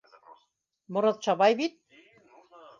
Моратша бай бит.